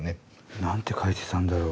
何て書いてたんだろう？